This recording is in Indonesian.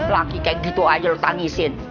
lagi kayak gitu aja lo tangisin